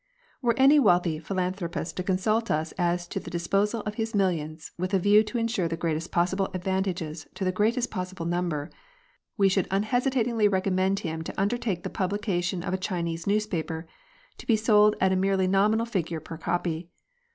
Were any wealthy philanthropist to consult us as to the disposal of his millions with a view to ensure the greatest possible advantages to the greatest possible number, we should unhesitatingly recommend him to undertake the publication of a Chinese newspaper, to be sold at a merely nominal figure per copy.